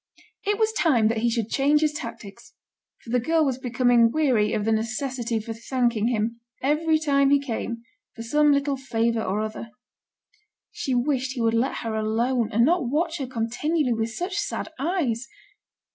It was time that he should change his tactics; for the girl was becoming weary of the necessity for thanking him, every time he came, for some little favour or other. She wished he would let her alone and not watch her continually with such sad eyes.